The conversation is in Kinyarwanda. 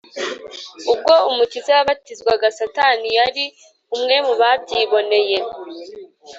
Ubwo Umukiza yabatizwaga, Satani yari umwe mu babyiboneye.